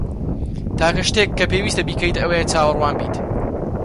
تاکە شتێک کە پێویستە بیکەیت ئەوەیە چاوەڕوان بیت.